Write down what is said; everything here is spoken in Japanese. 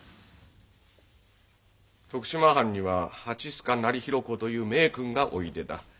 徳島藩には蜂須賀斉裕公という名君がおいでだ。